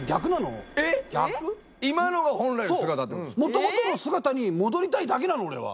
もともとの姿に戻りたいだけなの俺は。